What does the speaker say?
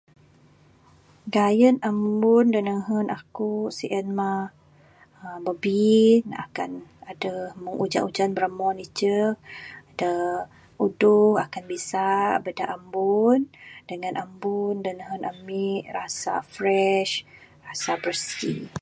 Gayen ambun da nehen aku sien mah babbi ne akan adeh ujan ujan biromon icek da uduh akan bisa da ambun, dangan ambun da nehen ami rasa fresh rasa bersi.